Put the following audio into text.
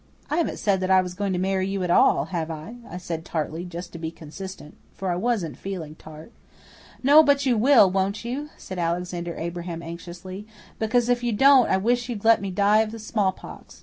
"I haven't said that I was going to marry you at all, have I?" I said tartly, just to be consistent. For I wasn't feeling tart. "No, but you will, won't you?" said Alexander Abraham anxiously. "Because if you won't, I wish you'd let me die of the smallpox.